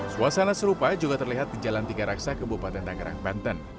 suasana serupa juga terlihat di jalan tiga raksa kebupaten tangerang banten